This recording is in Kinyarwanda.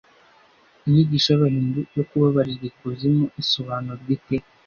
inyigisho y’abahindu yo kubabarizwa ikuzimu isobanurwa ite?